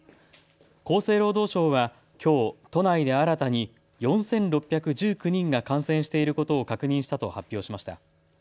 厚生労働省はきょう都内で新たに４６１９人が感染していることを確認したと発表しました。